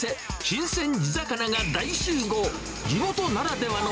新鮮地魚が大集合。